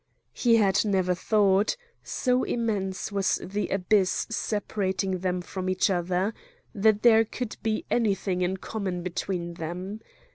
He had never thought—so immense was the abyss separating them from each other—that there could be anything in common between them.